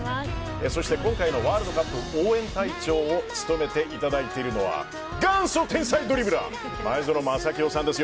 そして今回のワールドカップ応援隊長を務めていただいているのは元祖天才ドリブラー前園真聖さんです。